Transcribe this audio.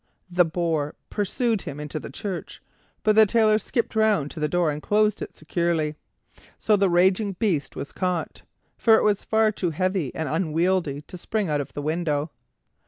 The boar pursued him into the church, but the Tailor skipped round to the door and closed it securely. So the raging beast was caught, for it was far too heavy and unwieldy to spring out of the window.